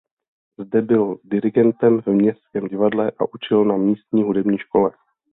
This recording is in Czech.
Zde byl dirigentem v "Městském divadle" a učil na místní hudební škole.